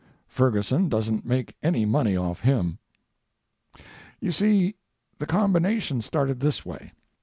Ferguson doesn't make any money off him. You see, the combination started this way.